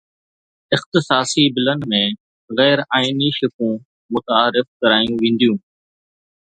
اختصاصي بلن ۾ غير آئيني شقون متعارف ڪرايون وينديون